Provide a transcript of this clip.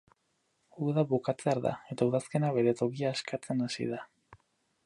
Uda bukatzear da, eta udazkena bere tokia eskatzen hasi da.